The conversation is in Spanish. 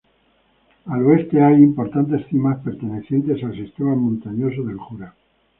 Al oeste tiene importantes cimas pertenecientes al sistema montañoso del Jura.